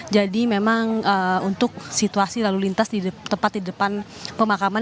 jadi memang untuk situasi lalu lintas di tempat di depan pemakaman